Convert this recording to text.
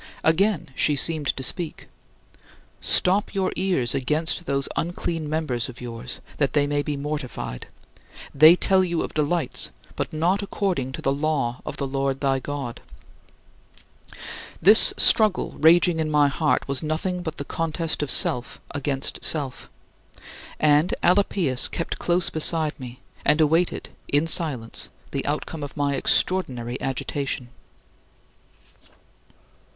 Again she seemed to speak: "Stop your ears against those unclean members of yours, that they may be mortified. They tell you of delights, but not according to the law of the Lord thy God." This struggle raging in my heart was nothing but the contest of self against self. And Alypius kept close beside me, and awaited in silence the outcome of my extraordinary agitation.